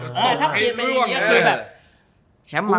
แต่ถ้าเปลี่ยนไม่ได้อย่างนี้ก็คือแบบ